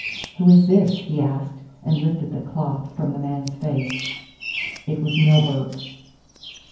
"Who is this?" he asked, and lifted the cloth from the man's face. It was Milburgh.